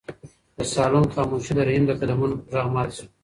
د صالون خاموشي د رحیم د قدمونو په غږ ماته شوه.